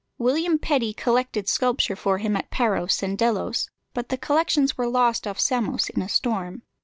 William Petty collected sculpture for him at Paros and Delos, but the collections were lost off Samos in a storm.